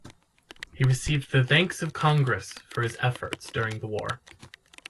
He received the Thanks of Congress for his efforts during the war.